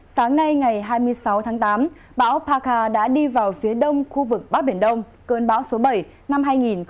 sáng nay ngày hai mươi sáu tháng tám bão pakha đã đi vào phía đông khu vực bắc biển đông cơn bão số bảy năm hai nghìn một mươi chín